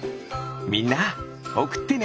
みんなおくってね！